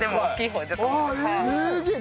すげえ！